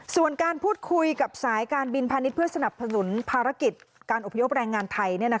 ส่วนการพูดคุยกับสายการบินพาณิชย์เพื่อสนับสนุนภารกิจการอพยพแรงงานไทย